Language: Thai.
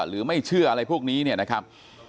หรือไม่เชื่ออะไรพวกนี้เนี่ยนะครับ